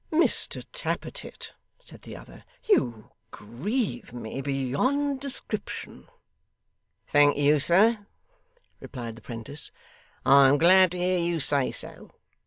'Mr Tappertit,' said the other, 'you grieve me beyond description.' 'Thank you, sir,' replied the 'prentice. 'I'm glad to hear you say so.